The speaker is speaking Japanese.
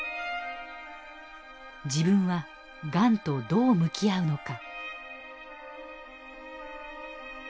自分はがんとどう向き合うのか。